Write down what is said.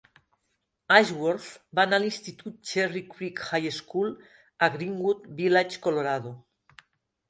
Ashworth va anar a l'institut Cherry Creek High School a Greenwood Village, Colorado.